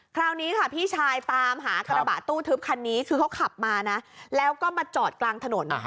คราวนี้ค่ะพี่ชายตามหากระบะตู้ทึบคันนี้คือเขาขับมานะแล้วก็มาจอดกลางถนน